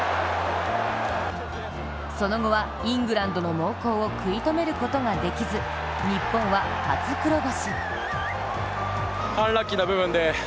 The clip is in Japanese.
その後は、イングランドの猛攻を食い止めることができず、日本は初黒星。